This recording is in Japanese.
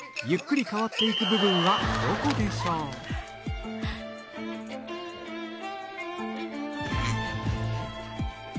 ゆっくり変わって行く部分はどこでしょう？